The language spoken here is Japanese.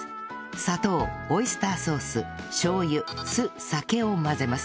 砂糖オイスターソースしょう油酢酒を混ぜます